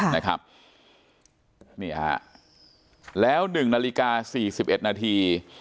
นะครับนี่หรอแล้ว๑นาฬิกา๔๑นาที